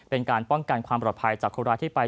เป็นการป้องกันความปลอดภัยจากคนร้ายที่ไป